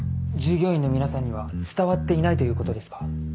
従業員の皆さんには伝わっていないということですか？